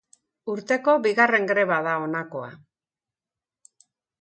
Urteko bigarren greba da honakoa.